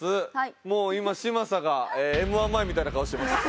もう今嶋佐がＭ−１前みたいな顔してます。